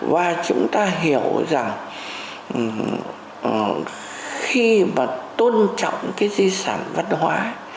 và chúng ta hiểu rằng khi mà tôn trọng cái di sản văn hóa